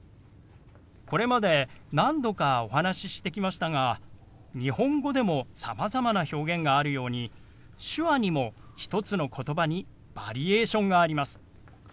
これまで何度かお話ししてきましたが日本語でもさまざまな表現があるように手話にも１つの言葉にバリエーションがあります。